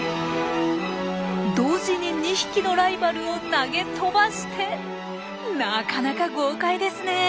同時に２匹のライバルを投げ飛ばしてなかなか豪快ですねえ。